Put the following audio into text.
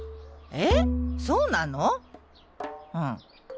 えっ？